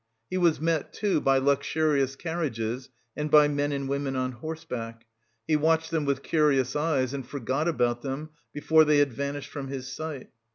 He was met, too, by luxurious carriages and by men and women on horseback; he watched them with curious eyes and forgot about them before they had vanished from his sight.